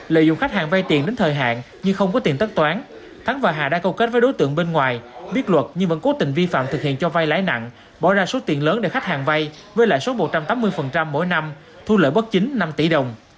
lợi dụng khách hàng vay tiền đến thời hạn nhưng không có tiền tất toán thắng và hà đã câu kết với đối tượng bên ngoài biết luật nhưng vẫn cố tình vi phạm thực hiện cho vay lãi nặng bỏ ra số tiền lớn để khách hàng vay với lại số một trăm tám mươi mỗi năm thu lợi bất chính năm tỷ đồng